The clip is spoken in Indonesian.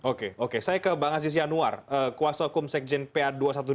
oke oke saya ke bang aziz yanuar kuasa hukum sekjen pa dua ratus dua belas